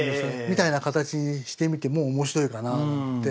みたいな形にしてみても面白いかなって。